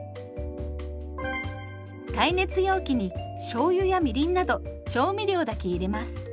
耐熱容器にしょうゆやみりんなど調味料だけ入れます。